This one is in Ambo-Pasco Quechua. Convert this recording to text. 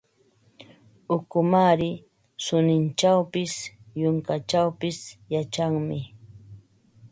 Ukumaari suninchawpis, yunkachawpis yachanmi.